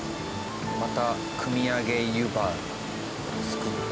また汲みあげ湯葉作って。